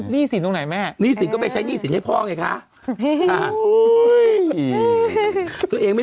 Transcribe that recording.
พูดมานี่ก็จะมีคนต้องถามแน่